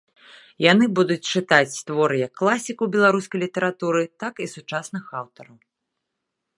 Яны будуць чытаць творы як класікаў беларускай літаратуры, так і сучасных аўтараў.